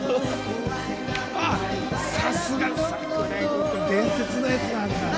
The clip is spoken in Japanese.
さすが、伝説のやつだな。